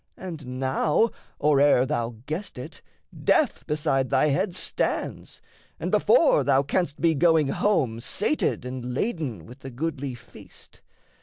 And now, Or ere thou guessed it, death beside thy head Stands and before thou canst be going home Sated and laden with the goodly feast.